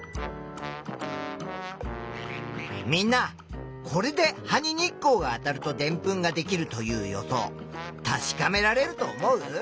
みんなこれで葉に日光があたるとでんぷんができるという予想確かめられると思う？